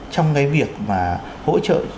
trong cái việc mà hỗ trợ